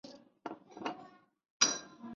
作自己该做的事